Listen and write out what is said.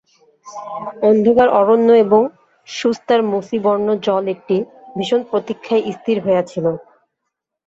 অন্ধকার অরণ্য এবং শুস্তার মসীবর্ণ জল একটি ভীষণ প্রতীক্ষায় স্থির হইয়া ছিল।